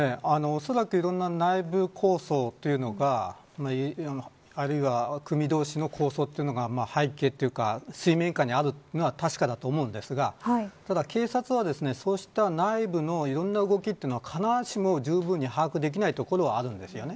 おそらくいろんな内部抗争というのがあるいは組同士の抗争というのが背景というか水面下にあるのは確かだと思いますがただ、警察はそうした内部のいろんな動きを必ずしもじゅうぶんに把握できないところはあります。